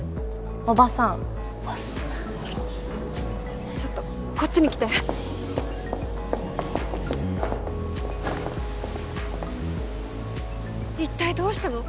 おばさんちょっとこっちに来て一体どうしたの？